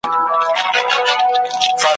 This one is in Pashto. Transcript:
وئېل ئې څو کم سنه دي، لۀ قافه را روان دي ,